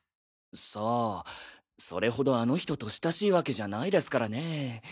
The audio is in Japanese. さあそれほどあの人と親しいわけじゃないですからね。